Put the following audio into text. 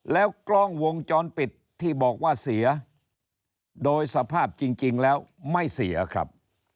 แล้วกล้องวงจรปิดที่บอกว่าเสียโดยสภาพจริงแล้วไม่เสียครับ